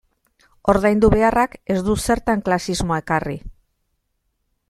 Ordaindu beharrak ez du zertan klasismoa ekarri.